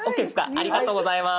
ありがとうございます。